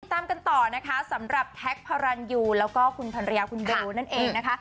ตามกันต่อนะคะสำหรับแท็กพารันยูแล้วก็คุณภรรยาคุณโบนั่นเองนะคะ